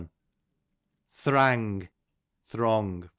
Thrang, throng.